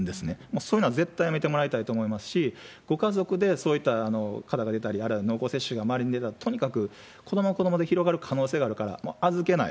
そういうのは絶対やめてもらいたいと思いますし、ご家族でそういう方が出たり、あるいは濃厚接種がまれに出たら、とにかく子どもは子どもで広がる可能性があるから、預けない。